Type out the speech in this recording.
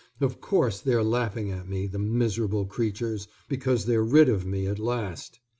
Of course, they're laughing at me, the miserable creatures, because they're rid of me at last.